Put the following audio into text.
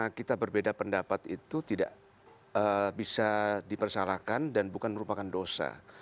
karena kita berbeda pendapat itu tidak bisa dipersalahkan dan bukan merupakan dosa